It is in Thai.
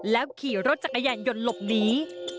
แล้วขี่รถจักรยานยนต์หลบหนี